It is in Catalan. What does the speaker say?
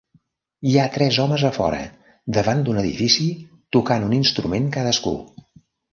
Hi ha tres homes a fora, davant d'un edifici, tocant un instrument cadascun.